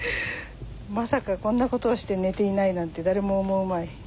まさかこんなことをして寝ていないなんて誰も思うまい。